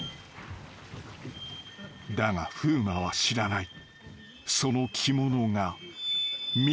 ［だが風磨は知らない］